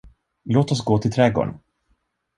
Låt oss gå till trädgården.